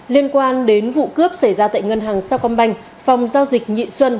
liên quan đến vụ cướp xảy ra tại ngân hàng sao công banh phòng giao dịch nhị xuân